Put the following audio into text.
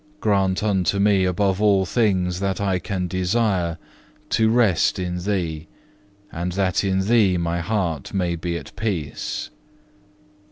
Grant unto me, above all things that I can desire, to rest in Thee, and that in Thee my heart may be at peace.